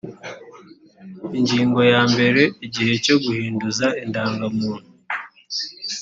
ingingo ya mbere igihe cyo guhinduza indangamuntu